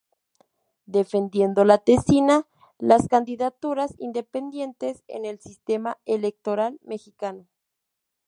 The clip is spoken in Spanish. Defendiendo la Tesina: "Las Candidaturas Independientes En El Sistema Electoral Mexicano.